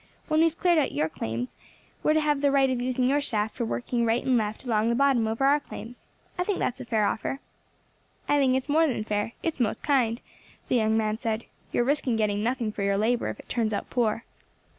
When we have cleared out your claims we are to have the right of using your shaft for working right and left along the bottom over our claims. I think that's a fair offer." "I think it's more than fair; it is most kind," the young man said. "You are risking getting nothing for your labour if it turns out poor."